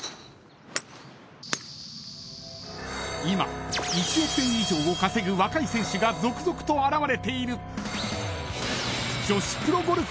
［今１億円以上を稼ぐ若い選手が続々と現れている］